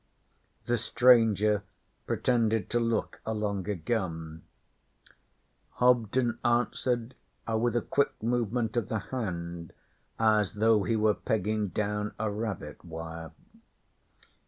The stranger pretended to look along a gun. Hobden answered with a quick movement of the hand as though he were pegging down a rabbit wire.